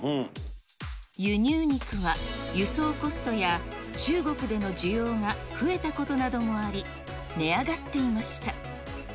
輸入肉は輸送コストや中国での需要が増えたことなどもあり、値上がっていました。